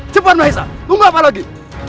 cepat maisa nunggu apa lagi